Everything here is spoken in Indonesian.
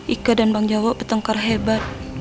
ika dan bang jarwo bertengkar hebat